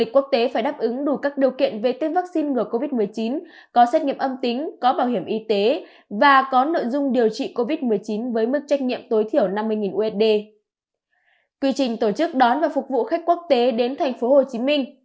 quy trình tổ chức đón và phục vụ khách quốc tế đến tp hcm